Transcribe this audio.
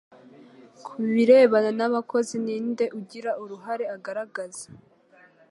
Kubirebana n abakozi ni nde ugira uruhare agaragaza?